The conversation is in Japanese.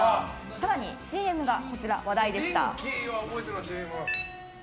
更にＣＭがこちら話題でした。